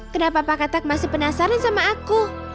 kenapa pak katak masih penasaran sama aku